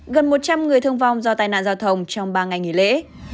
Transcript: gần một trăm linh người thương vong do tai nạn giao thông trong ba ngày nghỉ lễ